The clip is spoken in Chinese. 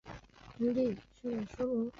楝叶吴萸为芸香科吴茱萸属的植物。